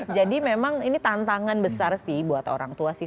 jadi memang ini tantangan besar sih buat orang tua sih